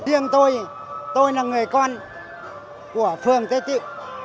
riêng tôi tôi là người con của phường tây tịu